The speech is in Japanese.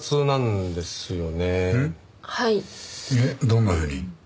どんなふうに？